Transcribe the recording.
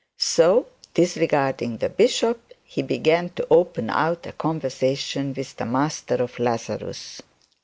So disregarding the bishop, he began to open out a conversation with the master of Lazarus.